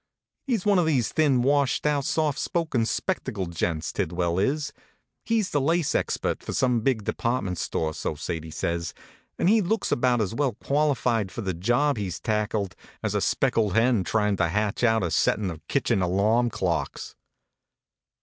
He s one of these thin, washed out, soft spoken, spectacled gents, Tidwell is he s the lace expert for some HONK, HONK! big department store, so Sadie says and he looks about as well qualified for the job he s tackled as a speckled hen tryin to hatch out a setting of kitchen alarm clocks.